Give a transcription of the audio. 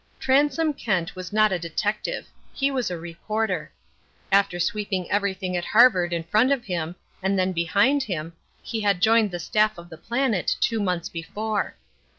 Transome Kent was not a detective. He was a reporter. After sweeping everything at Harvard in front of him, and then behind him, he had joined the staff of the Planet two months before.